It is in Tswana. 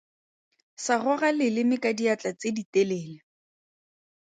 Sa goga leleme ka diatla tse ditelele.